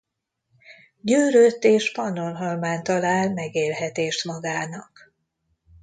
Győrött és Pannonhalmán talál megélhetést magának.